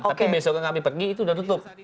tapi besoknya kami pergi itu udah tutup